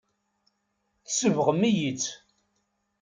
Tsebɣem-iyi-tt.